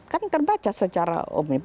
kan terbaca secara umum